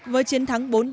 với chiến thắng bốn ba